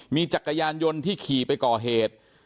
มีจักรยานยนต์ที่ขี่ไปก่อเหตุ